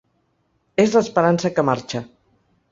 És l’esperança que marxa.